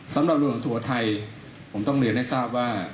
สำหรับหลวงสุโขทัยผมต้องเรียนให้ทราบว่า